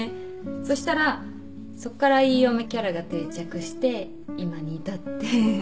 そしたらそっからいい嫁キャラが定着して今に至って。